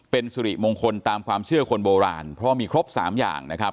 เป็นสุริมงคลตามความเชื่อคนโบราณเพราะว่ามีครบ๓อย่างนะครับ